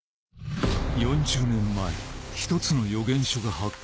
４０年前一つの予言書が発見された